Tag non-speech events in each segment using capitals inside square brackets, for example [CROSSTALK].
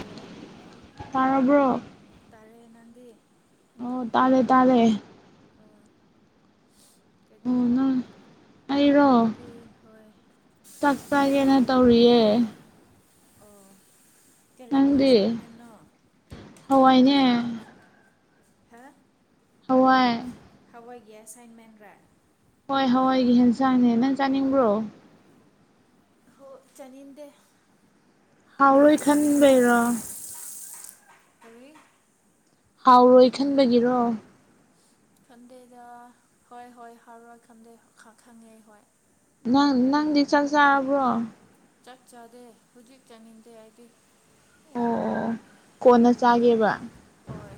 hello ꯇꯔꯔꯕ꯭ꯔ ꯃꯗꯤ ꯑꯣ ꯇꯥꯔꯦ ꯇꯥꯔꯦ ꯑꯣ ꯑꯣ ꯀꯩꯗꯧ ꯅꯪ ꯑꯩꯔꯣ ꯀꯩꯗꯧꯔꯤꯒꯦ ꯍꯣꯏ ꯇꯧꯔꯤꯑ ꯑꯣ ꯀꯔꯤꯒꯤ ꯅꯪꯗꯤ ꯑꯦꯁꯥꯏꯟꯃꯦꯟꯅꯣ ꯍꯋꯥꯏꯅꯦ ꯍꯥ ꯍꯋꯥꯏ ꯇꯋꯥꯏꯒꯤ ꯑꯦꯁꯥꯏꯟꯃꯦꯟ ꯔ ꯍꯣꯏ ꯍꯋꯥꯏꯒꯤ ꯌꯦꯟꯁꯥꯡꯅꯦ ꯅꯪ ꯆꯥꯅꯤꯡꯕ꯭ꯔꯣ ꯍꯣ ꯆꯅꯤꯗꯦ ꯍꯥꯎꯔꯣꯏ ꯈꯟꯕꯩꯔꯣ ꯍꯅꯤ ꯍꯥꯎꯔꯣꯏ ꯈꯟꯕꯒꯤꯔꯣ ꯈꯟꯗꯦꯗ ꯍꯣꯏ ꯍꯣꯏ ꯍꯔ ꯈꯟꯗꯦ ꯈ ꯈꯉꯦ ꯍꯣꯏ ꯅꯪ ꯅꯪꯗꯤ ꯆꯥꯛ ꯆꯥꯔꯕ꯭ꯔꯣ ꯆꯞ ꯆꯥꯗꯦ ꯍꯧꯖꯤꯛ ꯆꯥꯅꯤꯡꯗꯦ ꯑꯩꯗꯤ ꯑꯣ ꯑꯣ ꯀꯣꯟꯅ ꯆꯥꯒꯦꯕ ꯍꯣꯏ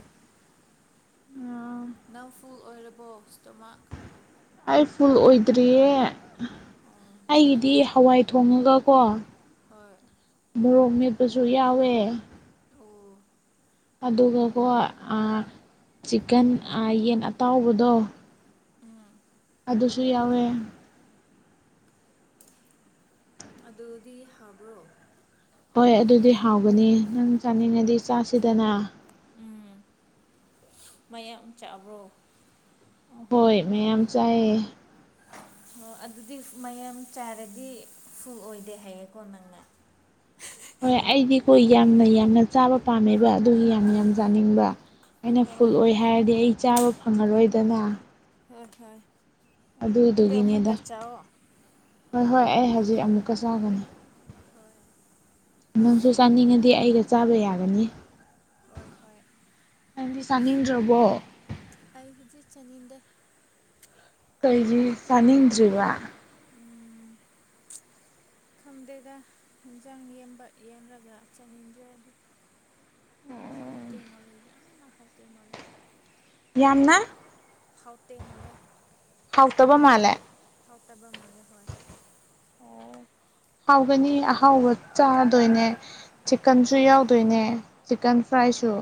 ꯅꯪ ꯐꯨꯜ ꯑꯣꯏꯔꯕꯣ ꯏꯁꯇꯣꯃꯥꯛ ꯑꯩ ꯐꯨꯜ ꯑꯣꯏꯗ꯭ꯔꯤꯌꯦ ꯑꯣ ꯑꯩꯒꯤꯗꯤ ꯍꯋꯥꯏ ꯊꯣꯡꯉꯒꯀꯣ ꯍꯣꯏ ꯃꯣꯔꯣꯡ ꯃꯦꯠꯄꯁꯨ ꯌꯥꯎꯋꯦ ꯑꯣ ꯑꯗꯨꯒꯀꯣ ꯆꯤꯀꯟ ꯌꯦꯟ ꯑꯇꯥꯎꯕꯗꯣ ꯎꯝ ꯑꯗꯨꯁꯨ ꯌꯥꯎꯋꯦ ꯑꯗꯨꯗꯤ ꯍꯥꯏꯕ꯭ꯔꯣ ꯍꯣꯏ ꯑꯗꯨꯗꯤ ꯍꯥꯎꯒꯅꯤ ꯅꯪ ꯆꯥꯅꯤꯡꯉꯗꯤ ꯆꯥꯁꯤꯗꯅ ꯎꯝ ꯃꯌꯥꯝ ꯆꯥꯕ꯭ꯔꯣ ꯍꯣꯏ ꯃꯌꯥꯝ ꯆꯥꯌꯦ ꯑꯣ ꯑꯗꯨꯗꯤ ꯃꯌꯥꯝ ꯆꯥꯔꯗꯤ ꯐꯨꯜ ꯑꯣꯏꯗꯦ ꯍꯥꯏꯌꯦꯀꯣ ꯅꯪꯅ [UNINTELLIGIBLE] ꯍꯣꯏ ꯑꯩꯗꯤ ꯀꯣ ꯌꯥꯝꯅ ꯌꯥꯝꯅ ꯆꯥꯕ ꯄꯥꯝꯃꯦꯕ ꯑꯗꯨꯒꯤ ꯌꯥꯝ ꯌꯥꯝ ꯆꯥꯅꯤꯡꯕ ꯑꯩꯅ ꯐꯨꯜ ꯍꯣꯏ ꯑꯣꯏ ꯍꯥꯏꯔꯗꯤ ꯑꯩ ꯆꯥꯕ ꯐꯪꯉꯔꯣꯏꯗꯅ ꯍꯣꯏ ꯍꯣꯏ ꯑꯗꯣ ꯑꯗꯨꯗꯨꯒꯤꯅꯦꯗ ꯑꯃꯨꯛꯀ ꯆꯥꯎꯑꯣ ꯍꯣꯏ ꯍꯣꯏ ꯑꯩ ꯍꯧꯖꯤꯛ ꯑꯃꯨꯛꯀ ꯆꯥꯒꯅꯤ ꯍꯣꯏ ꯅꯪꯁꯨ ꯆꯥꯅꯤꯡꯉꯗꯤ ꯑꯩꯒ ꯆꯥꯕ ꯌꯥꯒꯅꯤ ꯍꯣꯏ ꯍꯣꯏ ꯅꯪꯗꯤ ꯆꯥꯅꯤꯡꯗ꯭ꯔꯕꯣ ꯑꯩ ꯍꯧꯖꯤꯛ ꯆꯥꯅꯤꯡꯗꯦ ꯀꯩꯒꯤ ꯆꯅꯤꯡꯗ꯭ꯔꯤꯕ ꯎꯝ ꯈꯪꯗꯦꯗ ꯌꯦꯟꯖꯥꯡꯕ ꯌꯦꯟꯔꯒ ꯆꯥꯅꯤꯡꯗ꯭ꯔꯗꯤ ꯍꯥꯎꯇ ꯃꯥꯂꯦ ꯌꯥꯝꯅ ꯍꯥꯎꯇ ꯃꯥꯂꯦ ꯌꯥꯝꯅ ꯍꯥꯎꯇ ꯃꯥꯂꯦ ꯍꯥꯎꯇꯕ ꯃꯥꯜꯂꯦ ꯍꯥꯎ ꯇꯕ ꯃꯥꯂꯦ ꯍꯣꯏ ꯍꯥꯎꯒꯅꯤ ꯑꯍꯥꯎꯕ ꯆꯥꯗꯣꯏꯅꯦ ꯆꯤꯛꯀꯟꯁꯨ ꯌꯥꯎꯗꯣꯏꯅꯦ ꯆꯤꯀꯦꯟ ꯍꯣꯏ ꯐ꯭ꯔꯥꯏꯁꯨ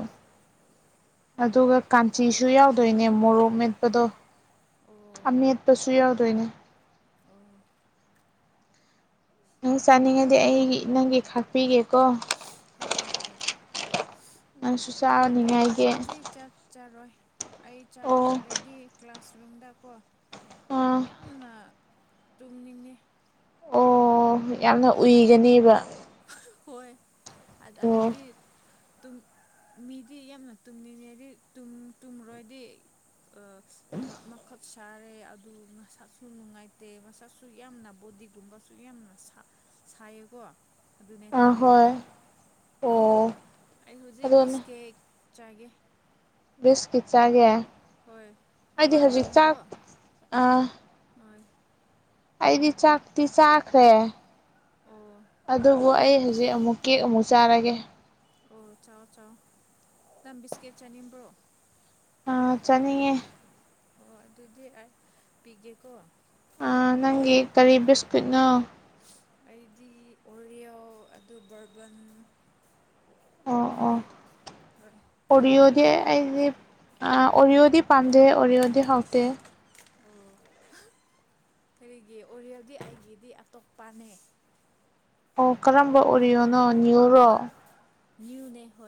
ꯑꯗꯨꯒ ꯀꯥꯟꯆꯤꯁꯨ ꯌꯥꯎꯗꯣꯏꯅꯦ ꯃꯣꯔꯣꯛ ꯃꯦꯠꯄꯗꯣ ꯑꯣ ꯑꯃꯦꯠꯄꯁꯨ ꯌꯥꯎꯗꯣꯏꯅꯦ ꯑꯣ ꯅꯪ ꯆꯥꯅꯤꯡꯉꯗꯤ ꯑꯩꯒꯤ ꯅꯪꯒꯤ ꯈꯥꯛꯄꯤꯒꯦꯀꯣ ꯍꯣꯏ ꯍꯣꯏ ꯅꯪꯁꯨ ꯑꯗꯨ ꯑꯩ ꯆꯥꯅꯤꯡꯉꯥꯏꯒꯤ ꯍꯧꯖꯤꯛ ꯆꯥꯛ ꯆꯔꯣꯏ ꯑꯩ ꯆꯥꯛ ꯑꯣ ꯆꯥꯔꯗꯤ ꯀ꯭ꯂꯥꯁꯔꯨꯝꯗꯀꯣ ꯑꯥ ꯌꯥꯝꯅ ꯇꯨꯝ ꯅꯤꯡꯉꯤ ꯑꯣ ꯌꯥꯝꯅ ꯎꯏꯒꯅꯤꯕ ꯍꯣꯏ ꯑꯗꯨꯗꯤ ꯃꯤꯗꯤ ꯌꯥꯝꯅ ꯇꯨꯝꯅꯤꯡꯉꯗꯤ ꯇꯨꯝꯔꯣꯏꯗꯤ ꯥ ꯁꯥꯔꯦ ꯑꯗꯨ ꯃꯁꯥꯁꯨ ꯅꯨꯡꯉꯥꯏꯇꯦ ꯃꯁꯛꯁꯨ ꯌꯥꯝꯅ ꯕꯣꯗꯤꯒꯨꯝꯕꯁꯨ ꯌꯥꯝꯅ ꯁꯥ ꯆꯀꯣ ꯑꯗꯨꯅꯦ ꯑꯥ ꯇꯥꯜꯂꯦ ꯍꯣꯏ ꯑꯣ ꯑꯩ ꯍꯧꯖꯤꯛ ꯑꯗꯣꯅ ꯕꯤꯁꯀꯦꯠ ꯆꯥꯏꯒꯦ ꯕꯤꯁꯀꯤꯠ ꯆꯥꯒꯦ ꯍꯥꯏꯗꯤ ꯍꯧꯖꯤꯛ ꯕꯔꯕꯟꯗꯣ ꯆꯥꯛ ꯑ ꯍꯣꯏ ꯑꯩꯗꯤ ꯆꯥꯛꯇꯤ ꯆꯥꯈ꯭ꯔꯦ ꯑꯣ ꯑꯗꯨꯕꯨ ꯑꯩ ꯍꯧꯖꯤꯛ ꯑꯃꯨꯛ ꯀꯦꯛ ꯑꯃꯨꯛ ꯆꯥꯔꯒꯦ ꯑꯣ ꯆꯥꯎ ꯆꯥꯎ ꯅꯪ ꯕꯤꯁꯀꯦꯠ ꯆꯥꯅꯤꯡꯕ꯭ꯔꯣ ꯑ ꯆꯠꯅꯤꯡꯉꯦ ꯑꯣ ꯑꯗꯨꯗꯤ ꯄꯤꯒꯦꯀꯣ ꯅꯪꯒꯤ ꯀꯔꯤ ꯕꯤꯁꯀ꯭ꯨꯠꯅꯣ ꯑꯩꯗꯤ ꯑꯣꯔꯤꯌꯣ ꯑꯗꯨ ꯕꯔꯕꯟ ꯑꯣ ꯑꯣ ꯅꯪ ꯑꯣꯔꯤꯑꯣꯗꯤ ꯄꯥꯝꯕ꯭ꯔꯣ ꯑꯩ ꯑ ꯑꯣꯔꯤꯑꯣꯗꯤ ꯄꯥꯟꯗꯦ ꯑꯣꯔꯤꯌꯗꯤ ꯍꯥꯎꯇꯦ ꯑꯣ ꯀꯔꯤꯒꯤ ꯑꯣꯔꯦꯜꯗꯤ ꯑꯩꯒꯤꯗꯤ ꯑꯇꯣꯞꯄꯅꯦ ꯑꯣ ꯀꯔꯝꯕ ꯎꯔꯤꯌꯣꯅꯣ ꯅꯤꯌꯨꯔꯣ ꯃꯤꯅꯤꯌꯨꯅꯦ ꯍ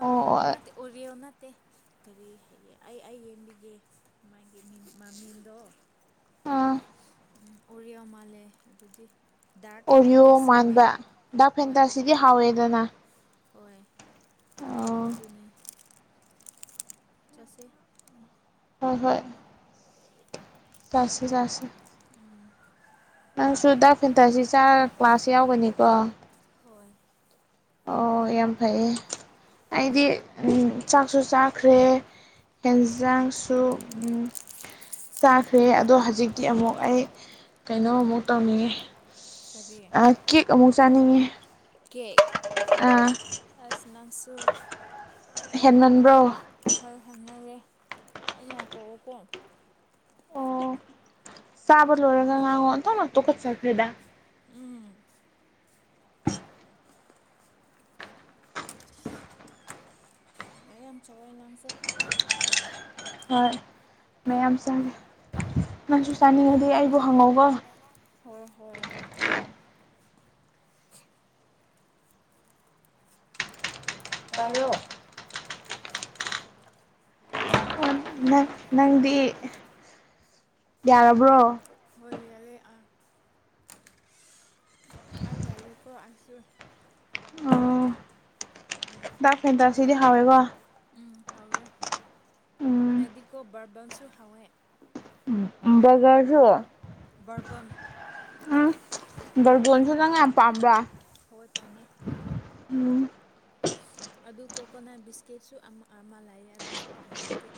ꯑ ꯑꯣ ꯅꯦ ꯑꯣꯔꯤꯅ ꯅꯠꯇꯦ ꯀꯔꯤ ꯍꯥꯏꯒ ꯑꯩ ꯑꯩ ꯌꯦꯡꯕꯤꯒꯦ ꯃꯥꯒꯤ ꯃꯃꯤꯗꯣ ꯑꯥ ꯑꯣꯔꯤꯌꯥ ꯃꯥꯂꯦ ꯑꯗꯨꯗꯤ ꯗꯥꯔꯛ ꯑꯣꯔꯤꯌꯣ ꯐꯦꯟꯇꯦꯁꯤꯅꯦ ꯃꯥꯟꯕ ꯗꯥꯛ ꯍꯣꯏ ꯐꯦꯟꯗꯁꯤꯗꯤ ꯍꯥꯎꯋꯦꯗꯅ ꯍꯣꯏ ꯑꯣ ꯑꯗꯨꯅꯦ ꯆꯠꯁꯦ ꯍꯣꯏ ꯍꯣꯏ ꯆꯥꯁꯦ ꯆꯁꯤꯦ ꯎꯝ ꯅꯪꯁꯨ ꯗꯥꯛ ꯐꯦꯟꯊꯁꯤ ꯆꯥ ꯀ꯭ꯂꯥꯁ ꯌꯥꯎꯒꯅꯤꯀꯣ ꯍꯣꯏ ꯑꯣ ꯌꯥꯝ ꯐꯩꯌꯦ ꯑꯩꯗꯤ ꯆꯥꯛꯁꯨ ꯆꯥꯈ꯭ꯔꯦ ꯍꯦꯟꯖꯥꯡꯁꯨ ꯆꯥꯈ꯭ꯔꯦ ꯑꯗꯣ ꯍꯧꯖꯤꯛꯇꯤ ꯑꯃꯨꯛ ꯑꯩ ꯀꯩꯅꯣꯃꯨꯛ ꯇꯧꯅꯤꯡꯉꯦ ꯀꯔꯤ ꯑ ꯀꯦꯛ ꯑꯃꯨꯛ ꯆꯥꯅꯤꯡꯉꯦ ꯀꯦꯀ ꯑꯁꯅꯁꯨ ꯍꯦꯃꯟꯕ꯭ꯔꯣ ꯐꯜ ꯍꯥꯏꯅꯔꯦ ꯌꯥꯝ ꯋꯥꯥꯏꯇ꯭ꯔꯕꯀꯣ ꯁꯥꯕ ꯂꯔꯒ ꯉ ꯅ ꯇ ꯀ ꯁꯥꯄ ꯂꯩꯦꯗꯥ ꯎꯝ ꯃꯌꯥꯝꯌꯥꯝ ꯌꯥꯝ ꯆꯕꯏꯅ ꯑꯃꯁꯁꯨ ꯍꯣꯏ ꯃꯌꯥꯝ ꯆꯥꯔ ꯅꯪꯁꯨ ꯆꯥꯅꯤꯡꯉꯗꯤ ꯑꯩꯕꯨ ꯍꯪꯉꯧꯕ ꯍꯣꯏ ꯍꯣꯏ ꯇꯣ ꯅꯪ ꯅꯪꯗꯤ ꯌꯥꯔꯕ꯭ꯔꯣ ꯀꯔꯤꯌꯥꯂꯦ ꯑ ꯑ ꯂꯦꯀꯣ ꯑꯁꯨ ꯇꯥꯛ ꯐꯦꯟꯗ ꯁꯤꯗꯤ ꯍꯥꯎꯋꯦꯀꯣ ꯎꯝ ꯍꯧꯔꯦ ꯎꯝ ꯍꯥꯏꯗꯤꯀꯣ ꯕꯔꯔꯕꯟꯁꯨ ꯍꯧꯋꯦ ꯒꯔꯁꯨ ꯕꯔꯕꯟ ꯎꯝ ꯔꯒꯣꯟꯁꯨ ꯕꯔꯕꯟ ꯅꯉꯥꯏ ꯌꯥꯝ ꯄꯥꯕ꯭ꯔ ꯍꯣꯏ ꯄꯥꯝꯃꯦ ꯎꯝ ꯑꯗꯨ ꯀꯣꯀꯣꯅꯠ ꯕꯤꯁꯀꯤꯠꯁꯨ ꯑꯃ ꯂꯩ ꯑꯗꯨꯁꯨ ꯄꯥꯝꯃꯦ ꯍꯥꯏꯗꯤ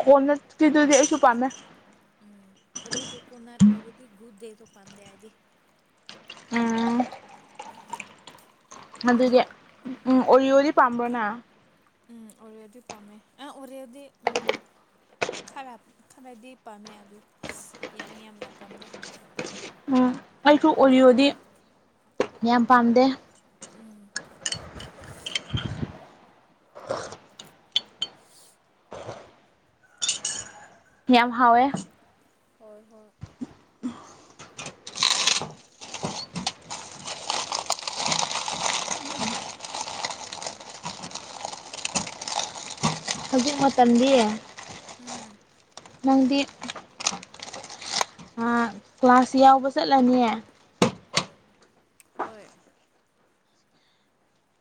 ꯈꯣꯟꯅꯀꯤꯗꯨꯗꯤ ꯑꯩꯁꯨ ꯄꯥꯝꯃꯦ ꯎꯝ ꯑꯗꯨ ꯀꯣꯀꯣꯅꯠ ꯑꯣꯏꯔꯗꯤ ꯒꯨꯗ ꯗꯦꯁꯨꯣ ꯄꯥꯝꯗꯦ ꯍꯥꯏꯗꯤ ꯑꯗꯨꯗꯤ ꯅꯠꯇ꯭ꯔꯣ ꯎꯝ ꯎꯔꯤꯗꯤ ꯄꯥꯝꯕ꯭ꯔꯣꯅ ꯎꯝ ꯑꯣꯔꯦꯗꯤ ꯄꯥꯝꯃꯦ ꯑ ꯑꯣꯔꯦꯗꯤ ꯎꯝ ꯈꯔ ꯈꯔꯗꯤ ꯄꯥꯝꯃꯦ ꯑꯗꯨ ꯌꯥꯝ ꯌꯥꯝꯅ ꯄꯥꯝꯗꯦ ꯑꯩꯈ ꯑꯣꯔꯤꯌꯣꯗꯤ ꯌꯥꯝ ꯄꯥꯝꯗꯦ ꯎꯝ ꯌꯥꯝꯌꯥꯝ ꯍꯋꯦ ꯍꯍ ꯍꯧꯖꯤꯛ ꯃꯇꯝꯗꯤ ꯎꯝ ꯅꯪꯗꯤ ꯀ꯭ꯂꯥꯁ ꯌꯥꯎꯕ ꯆꯠꯂꯅꯤ ꯍꯣꯏ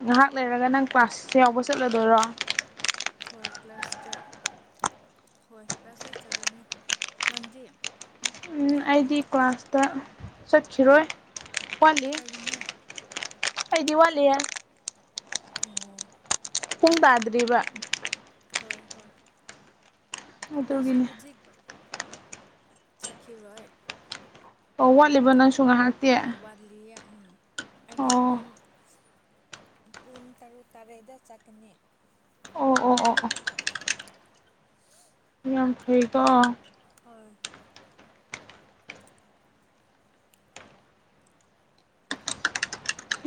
ꯉꯥꯏꯍꯥꯛ ꯂꯩꯔꯒ ꯅꯪ ꯀ꯭ꯂꯥꯁ ꯌꯥꯎꯕ ꯆꯠꯂꯗꯣꯏꯔꯣ ꯍꯣꯏ ꯀ꯭ꯂ ꯀ꯭ꯂꯥꯁꯇꯥꯛ ꯍꯣꯏ ꯐꯁ ꯌꯥꯁ ꯆꯖꯅꯤ ꯅꯟꯗꯤ ꯑꯩꯗꯤ ꯀ꯭ꯂꯥꯁꯇ ꯆꯠꯈꯤꯔꯣꯏ ꯋꯥꯠꯂꯤ ꯀꯔꯤꯅꯣ ꯑꯩꯗꯤ ꯋꯥꯂꯦ ꯑꯣ ꯄꯨꯡ ꯇꯥꯗ꯭ꯔꯤꯕ ꯍꯣꯏ ꯍꯣꯏ ꯑꯗꯨꯠꯇꯒꯤꯅꯦ ꯆꯥꯛꯀꯤꯔꯣꯏ ꯑꯣ ꯋꯥꯠꯂꯤꯕ ꯅꯪꯁꯨ ꯉꯥꯏꯍꯥꯛꯇꯦ ꯑꯩ ꯄꯨꯡ ꯇꯔꯨꯛ ꯇꯔꯦꯗ ꯆꯠꯀꯅꯤ ꯑꯣ ꯑꯣ ꯑꯣ ꯑꯣ ꯐꯩꯗꯣ ꯍꯣꯏ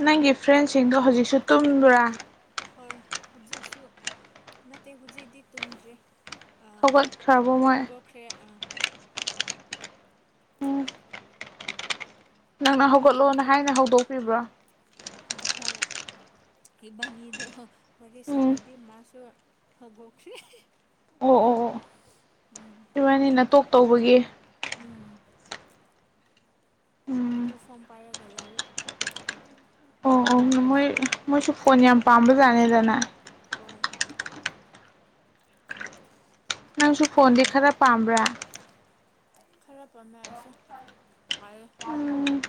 ꯅꯪꯒꯤ ꯐ꯭ꯔꯦꯟꯁꯤꯡꯗꯣ ꯍꯧꯖꯤꯛꯁꯨ ꯇꯨꯝꯕ꯭ꯔꯥ ꯍꯣꯏ ꯍꯧꯖꯤꯛꯁꯨ ꯅꯠꯇꯦ ꯍꯧꯖꯤꯛꯤ ꯇꯨꯝꯗ꯭ꯔꯦ ꯊꯒꯠ ꯈꯕ ꯃꯣꯏ ꯎꯝ ꯅꯪꯅ ꯎꯝ ꯍꯧꯒꯠꯂꯣꯅ ꯍꯥꯏꯅ ꯍꯧꯗꯣꯛꯄꯤꯕ꯭ꯔꯥ ꯍꯣꯏꯔ ꯏꯕꯥꯅꯤꯗꯣ ꯋꯥꯔꯤ ꯎꯝ ꯁꯥꯔꯗꯤ ꯃꯥꯁꯨ ꯍꯧꯒꯣꯛꯈ꯭ꯔꯦ ꯎꯝ ꯏꯕꯥꯅꯤ ꯅ ꯇꯣꯛ ꯇꯧꯕꯒꯤ ꯎꯝ ꯑꯗꯨ ꯎꯝ ꯐꯣꯔꯝ ꯄꯥꯏꯔꯒ ꯂꯩꯔꯦ ꯑꯣ ꯑꯣ ꯃꯣꯏ ꯃꯣꯏꯁꯨ ꯐꯣꯟ ꯌꯥꯝ ꯄꯥꯝꯕꯖꯥꯅꯤꯗꯅ ꯑꯣꯏꯟ ꯅꯪꯁꯨ ꯐꯣꯟꯗꯤ ꯈꯔ ꯄꯥꯝꯕ꯭ꯔꯥ ꯈꯔ ꯄꯥꯃꯦꯁ ꯄꯌꯦ ꯎꯝ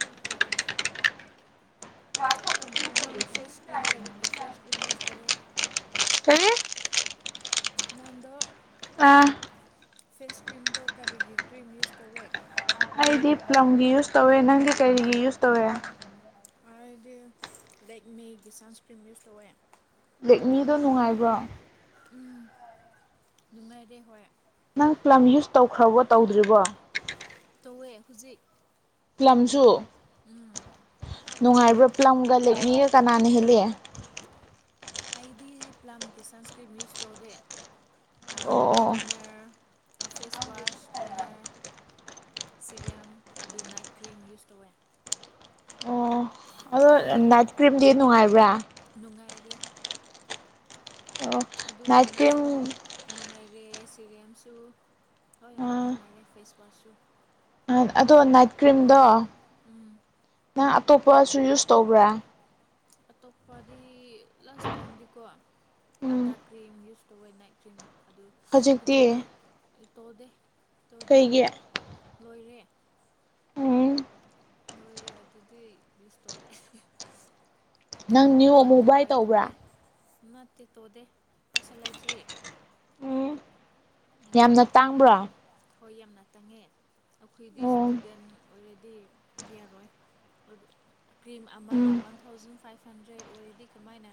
ꯑꯕꯗꯨꯜ ꯅꯪ ꯐꯦꯁ ꯀ꯭ꯔꯤꯝ ꯀꯔꯤꯒꯤ ꯐꯦꯁ ꯀ꯭ꯔꯤꯝ ꯌꯨꯁ ꯇꯧꯋ ꯌꯥ ꯀꯔꯤ ꯅꯗꯣ ꯋꯥ ꯐꯦꯁ ꯀ꯭ꯔꯤꯝꯗꯣ ꯀꯔꯤꯒꯤ ꯀ꯭ꯔꯤꯝ ꯌꯨꯁ ꯇꯧꯋꯦ ꯗꯤ ꯄ꯭ꯂꯝꯒꯤ ꯌꯨꯁ ꯇꯧꯋꯦ ꯅꯪꯗꯤ ꯀꯔꯤꯒꯤ ꯌꯨꯁ ꯇꯧꯋꯦ ꯑꯗꯨꯗꯤ ꯂꯥꯏꯛ ꯃꯦꯒꯤ ꯁꯟꯁꯀ꯭ꯔꯤꯝ ꯇꯣꯛꯋꯦ ꯂꯦꯛꯃꯤꯗꯣ ꯅꯨꯡꯉꯥꯏꯕ꯭ꯔꯣ ꯎ ꯅꯨꯡꯉꯥꯏꯔꯦ ꯍꯣꯏ ꯅꯪ ꯄ꯭ꯂꯝ ꯌꯨꯁ ꯇꯧꯈ꯭ꯔꯕꯣ ꯇꯧꯗ꯭ꯔꯤꯕꯣ ꯇꯧꯋꯦ ꯍꯧꯖꯤꯛ ꯄꯂꯝꯁꯨ ꯎꯝ ꯅꯨꯡꯉꯥꯏꯕ꯭ꯔꯥ ꯄꯂꯝꯒ ꯂꯦꯛꯅꯤꯒ ꯀꯅꯥꯅ ꯍꯦꯜꯂꯤꯑꯦ ꯑꯩꯗꯤ ꯄ꯭ꯂꯝꯀꯤ ꯁꯁꯀ꯭ꯔꯤꯠ ꯅ꯭ꯌꯨꯁ ꯇ ꯑꯣꯗꯦ ꯑꯣ ꯇꯣꯅꯔ ꯐꯦꯁ ꯋꯥꯁ ꯇꯣꯅꯔ ꯁꯤꯔꯦꯝ ꯑꯗꯨ ꯅꯥꯏꯠ ꯀ꯭ꯔꯤꯝ ꯌꯨꯁ ꯇꯧꯋꯦ ꯑꯣ ꯑꯗꯣ ꯅꯥꯏꯠ ꯀ꯭ꯔꯤꯝꯗꯤ ꯅꯨꯡꯉꯥꯏꯕ꯭ꯔꯥ ꯂꯨꯒꯥꯥꯏꯔꯤꯦ ꯑꯣ ꯑꯗꯨ ꯅꯥꯏꯠ ꯇꯣꯟꯅꯔꯁꯨ ꯀ꯭ꯔꯤꯝ ꯅꯨꯡꯉꯥꯏ ꯔꯦ ꯁꯤꯔꯦꯝꯁꯨ ꯍꯣꯏ ꯌꯥꯝꯛ ꯑ ꯅꯨꯡꯉꯥꯏꯔꯦ ꯐꯦꯁ ꯋꯥꯁꯁꯨ ꯑꯗꯣ ꯅꯥꯏꯠ ꯀ꯭ꯔꯤꯝꯗꯣ ꯎꯝ ꯅꯪ ꯑꯇꯣꯞꯄꯁꯨ ꯌꯨꯁ ꯇꯧꯕ꯭ꯔꯥ ꯑꯇꯣꯞꯄꯗꯤ ꯂꯥꯁ ꯇꯥꯏꯝꯗꯤꯀꯣ ꯑꯗꯥ ꯎꯝ ꯀ꯭ꯔꯤꯝ ꯌꯨꯁ ꯇꯧꯕꯅꯥꯏ ꯀ꯭ꯔꯤꯝ ꯑꯗꯨ ꯍꯧꯖꯤꯛꯇꯣ ꯍꯧꯖꯤꯛꯇꯤ ꯇꯧꯗꯦ ꯇꯧꯗ꯭ꯔꯤ ꯀꯩꯒꯤ ꯂꯣꯏꯔꯦ ꯎꯝ ꯅꯣꯏꯦ ꯑꯗꯨ ꯑꯗꯨꯗꯤ ꯁ ꯇꯧꯗꯦ ꯅꯪ ꯑꯃꯨꯛꯀ ꯅꯅꯤꯌꯨ ꯑꯃꯨꯛ ꯕꯥꯏ ꯇꯧꯕ꯭ꯔꯥ ꯇꯧꯗꯦ ꯅꯠꯇꯦ ꯇꯣꯗꯦ ꯄꯩꯁꯥ ꯂꯩꯇ꯭ꯔꯤ ꯎꯝ ꯑꯗꯨꯅꯦ ꯌꯥꯝꯅ ꯇꯥꯡꯕ꯭ꯔꯣ ꯍꯣꯏ ꯌꯥꯝꯅ ꯇꯪꯉꯦ ꯑꯩꯈꯣꯏꯗꯤ ꯑꯣ ꯏꯁꯇꯨꯗꯦꯟ ꯑꯣꯏꯔꯗꯤ ꯗꯤ ꯌꯥꯔꯣꯏ ꯑꯗꯨ ꯀ꯭ꯔꯤꯝ ꯑꯃꯅ ꯎꯝ ꯋꯥꯟ ꯊꯥꯎꯖꯟ ꯐꯥꯏꯚ ꯍꯟꯗ꯭ꯔꯦꯠ ꯑꯣꯏꯔꯗꯤ ꯀꯃꯥꯏꯅ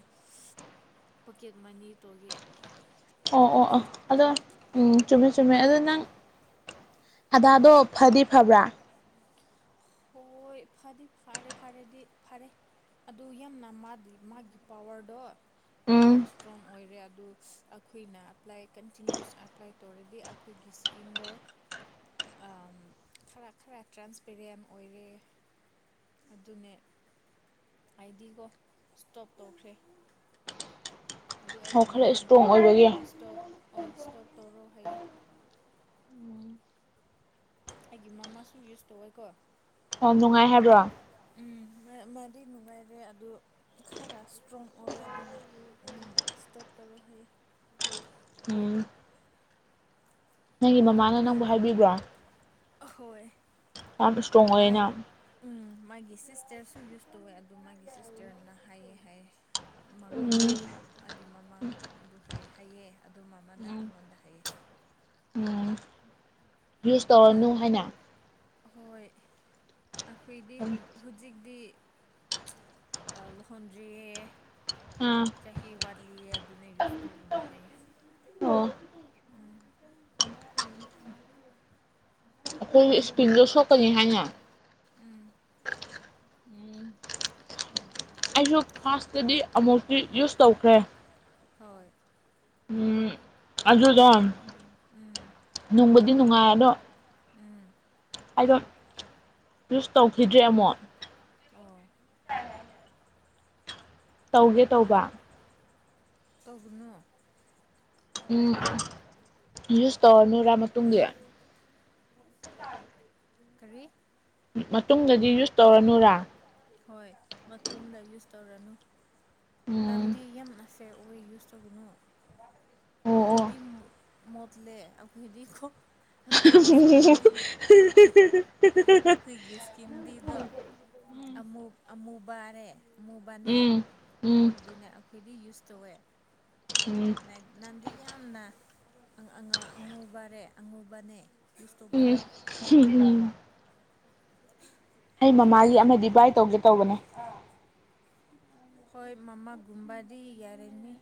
ꯄꯣꯀꯦꯠ ꯃꯅꯤ ꯇꯧꯒꯦ ꯑꯣ ꯑꯣ ꯑꯣ ꯅꯠꯇ꯭ꯔꯣ ꯑꯗꯣ ꯎꯝ ꯆꯨꯝꯃꯦ ꯆꯨꯝꯃꯦ ꯑꯗ ꯅꯪ ꯑꯗꯥꯗꯣ ꯐꯗꯤ ꯐꯕ꯭ꯔꯥ ꯍꯣꯏ ꯐꯗꯤ ꯐꯔꯦ ꯐꯔꯦꯗꯤ ꯐꯔꯦ ꯑꯗꯨ ꯌꯥꯝꯅ ꯃꯥꯗꯤ ꯃꯥꯒꯤ ꯄꯋꯥꯔꯗꯣ ꯌꯥꯝꯅ ꯎꯝ ꯏꯁꯇ꯭ꯔꯣꯡ ꯑꯣꯏꯔꯦ ꯑꯗꯨ ꯑꯩꯈꯣꯏꯅ ꯑꯦꯄ꯭ꯂꯥꯏ ꯀꯟꯇꯤꯅ꯭ꯌꯨꯁ ꯑꯦꯄ꯭ꯂꯥꯏ ꯇꯧꯔꯗꯤ ꯑꯩꯈꯣꯏꯒꯤ ꯏꯁꯀꯤꯟꯗ ꯈꯔ ꯈꯔꯥ ꯇ꯭ꯔꯥꯟꯁꯄꯦꯔꯦꯟ ꯑꯣꯏꯔꯦ ꯑꯗꯨꯅꯦ ꯑꯥꯏꯗꯤꯒꯣ ꯏꯁꯇꯣꯞ ꯇꯧꯈ꯭ꯔꯦ ꯑꯗꯨ ꯑꯣ ꯑꯩꯒꯤ ꯈꯔ ꯃꯃꯥꯟ ꯏꯁꯇ꯭ꯔꯣꯡ ꯑꯣꯏꯕꯒꯤ ꯍꯣꯏ ꯏꯁꯇꯣꯞ ꯍꯣꯏ ꯏꯁꯇꯣꯞ ꯇꯧꯔꯣ ꯍꯥꯏꯌꯦ ꯑꯩꯒꯤ ꯃꯃꯥꯁꯨ ꯌꯨꯁ ꯇꯧꯋꯦꯀꯣ ꯑꯣ ꯅꯨꯡꯉꯥꯏ ꯍꯥꯏꯕ꯭ꯔꯣ ꯎꯝ ꯃꯥꯗꯤ ꯅꯨꯡꯉꯥꯏꯔꯦ ꯑꯗꯨ ꯈꯔ ꯏꯁꯇ꯭ꯔꯣꯡ ꯑꯣꯏꯔꯦ ꯑꯗꯨꯅꯦ ꯏꯁꯇꯣꯞ ꯇꯧꯔꯣ ꯍꯌꯦ [UNINTELLIGIBLE] ꯎꯝ ꯅꯪꯒꯤ ꯃꯃꯥꯅ ꯅꯪꯕꯨ ꯍꯥꯏꯕꯤꯕ꯭ꯔꯣ ꯍꯣꯏ ꯑ ꯏꯁꯇ꯭ꯔꯣꯡ ꯑꯣꯏ ꯂꯩꯩꯅ ꯃꯥꯒꯤ ꯁꯤꯁꯇꯔꯁꯨ ꯌꯨꯁ ꯇꯧꯋꯦ ꯑꯗꯨ ꯃꯥꯒꯤ ꯁꯤꯁꯇꯔꯅ ꯍꯥꯏꯌꯦꯦ ꯍꯥꯏ ꯎꯝ ꯃꯉꯣꯟꯗꯥꯛ ꯑꯒꯤ ꯃꯃꯥꯕꯨ ꯍꯥꯏ ꯍꯥꯏꯌꯦ ꯑꯗꯨ ꯃꯃꯥꯅ ꯎꯝ ꯑꯩꯉꯣꯟꯗ ꯍꯥꯏꯌꯦ ꯌꯁ ꯇꯧꯔꯅꯨ ꯅꯪ ꯍꯥꯏꯅ ꯍꯣꯏ ꯑꯩꯈꯣꯏꯗꯤ ꯍꯧꯖꯤꯛꯇꯤ ꯂꯨꯍꯣꯟꯗ꯭ꯔꯤꯌꯦ ꯑꯥ ꯆꯍꯤ ꯋꯥꯠꯂꯤꯌꯦ ꯑꯗꯨꯅ ꯌꯁꯣ ꯎꯅ ꯍꯥꯏꯌꯦ ꯎꯝ [UNINTELLIGIBLE] ꯑꯩꯈꯣꯏ ꯏꯁꯄꯤꯜꯗꯣ ꯁꯣꯛꯀꯅꯤ ꯍꯥꯏꯅ ꯎꯝ ꯑꯩꯁꯨꯛ ꯐꯥꯔꯥꯁꯇꯗꯤ ꯑꯃꯨꯛꯇꯤ ꯌꯨꯁ ꯇꯧꯈ꯭ꯔꯦ ꯍꯣꯏ ꯎꯝ ꯑꯗꯨꯗꯣ ꯎꯝ ꯅꯨꯡꯕꯨꯗꯤ ꯅꯨꯡꯉꯥꯏ ꯑꯗꯣ ꯎꯝ ꯑꯩꯗꯣ ꯌꯨꯁ ꯇꯧꯈꯤꯗ꯭ꯔꯦ ꯑꯃꯨꯣꯛ ꯑꯣ ꯇꯧꯒꯦ ꯇꯧꯕ ꯇꯧꯒꯅꯣ ꯎꯝ ꯌꯨꯁ ꯇꯧꯔꯅꯨꯔꯥ ꯃꯇꯨꯡꯗ ꯀꯔꯤ ꯃꯇꯨꯡꯗꯗꯤ ꯌꯨꯁ ꯇꯧꯔꯅꯨꯔꯥ ꯍꯣꯏ ꯃꯇꯗ ꯌꯨꯁ ꯇꯧꯔꯅꯨ ꯎꯝ ꯅꯟꯗꯤ ꯌꯥꯝ ꯑꯦ ꯐꯦꯋꯦ ꯌꯨꯁ ꯇꯧꯒꯅꯨ ꯑꯣ ꯑꯣ ꯑꯈꯣꯏꯗꯤ ꯃꯠꯂ ꯑꯈꯣꯏꯗꯤ [UNINTELLIGIBLE] ꯑꯩꯈꯣꯏꯒꯤ ꯏꯁꯀꯤꯟꯗꯤꯗꯣ ꯑꯃꯨꯛ ꯑꯃꯨ ꯕꯥꯔꯦ ꯑꯃꯨꯕꯥꯟꯅ ꯎꯝ ꯎꯝ ꯑꯗꯨꯅꯦ ꯑꯩꯈꯣꯏꯗꯤ ꯌꯨꯁ ꯇꯧꯋꯦ ꯎꯝ ꯅꯟꯗꯤ ꯌꯥꯝꯅ ꯑꯉꯨꯕꯔꯦ ꯑꯉꯨꯕꯅꯦ ꯎꯝ ꯎꯝ ꯑꯩ ꯑꯗꯨ ꯃꯃꯥꯒꯤ ꯑꯃꯗꯤ ꯕꯥꯏ ꯇꯧꯒꯦ ꯇꯧꯕꯅꯦ ꯍꯣꯏ ꯃꯃꯥꯒꯨꯝꯕꯗꯤ ꯌꯥꯔꯦꯅꯤ